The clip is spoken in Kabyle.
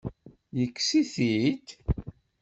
Yekkes-it-id?